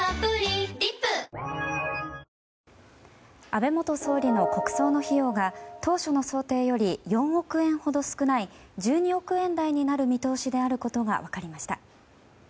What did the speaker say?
安倍元総理の国葬の費用が当初の想定より４億円ほど少ない１２億円台になる見通しであることが分かりました。